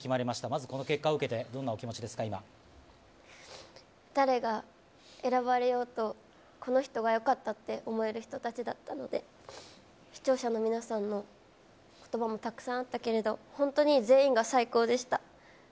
まずこの結果を受けて、どんなお気持ちですか、誰が選ばれようと、この人がよかったって思える人たちだったので、視聴者の皆さんのことばもたくさんあったけれど、本当に全員が最高でした。